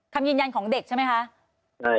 คำยืนยันของเด็กใช่ไหมคะ